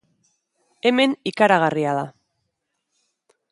Hemen, ikaragarria da!